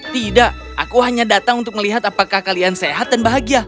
tidak aku hanya datang untuk melihat apakah kalian sehat dan bahagia